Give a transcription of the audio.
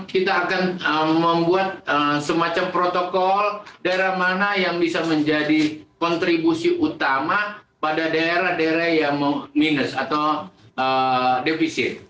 kita akan membuat semacam protokol daerah mana yang bisa menjadi kontribusi utama pada daerah daerah yang minus atau defisit